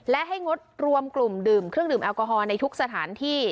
และให้งดรวมกลุ่มดื่มเครื่องดื่มแอลกอฮอล์ในทุกสถานที่